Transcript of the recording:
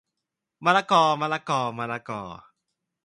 มะละกอมะละกอมะละกอ